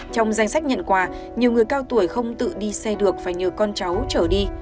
trong danh sách nhận quà nhiều người cao tuổi không tự đi xe được và nhờ con cháu trở đi